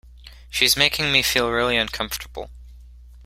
She’s making me feel really uncomfortable.